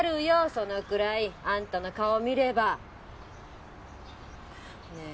そのくらいアンタの顔見ればねえ